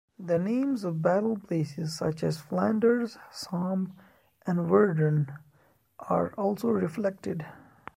The names of battle places such as Flanders, Somme and Verdun are also reflected.